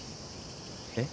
えっ？